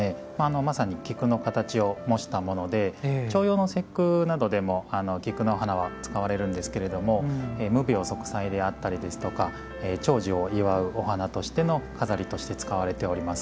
まさに菊の形を模したもので重陽の節句などでも菊の花は使われるんですけれども無病息災であったりですとか長寿を祝うお花としての飾りとして使われております。